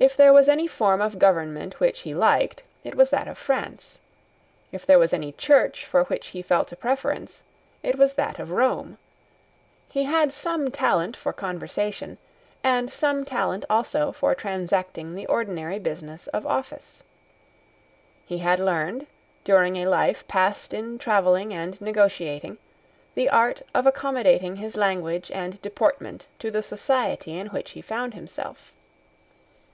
If there was any form of government which he liked it was that of France. If there was any Church for which he felt a preference, it was that of Rome. He had some talent for conversation, and some talent also for transacting the ordinary business of office. He had learned, during a life passed in travelling and negotiating, the art of accommodating his language and deportment to the society in which he found himself.